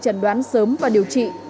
chẩn đoán sớm và điều trị